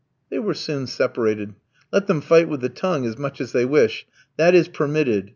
They were soon separated. Let them fight with the tongue as much as they wish. That is permitted.